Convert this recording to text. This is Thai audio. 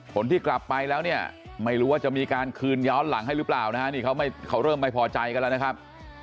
ผลที่กลับไปแล้วเนี่ยไม่รู้ว่าจะมีการคืนย้อนหลังให้หรือเปล่านะฮะนี่เขาเริ่มไม่พอใจกันแล้วนะครับ